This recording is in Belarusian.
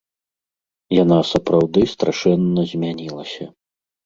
Яна сапраўды страшэнна змянілася.